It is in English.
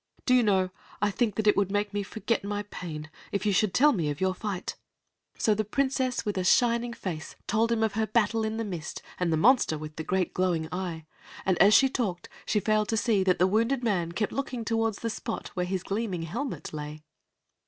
"Do you know I think that it would make me forget my pain if you should tell me of your fight." So the Princess, with a shining face, told him of her battle in the mist, and of the monster with the great, glowing eye, and as she talked, she failed to see that the wounded man kept looking toward the spot where his gleaming helmet lay.